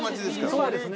そうですね。